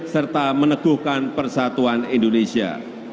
serta meneguhkan persatuan indonesia